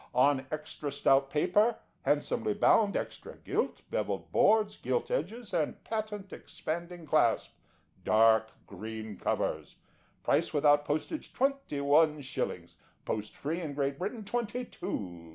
On extra stout paper, handsomely bound, extra gilt, bevelled boards, gilt edges, and patent expanding clasp. Dark green covers. Price without postage, 21/ ; post free in Great Britain, 22/ . No. 68.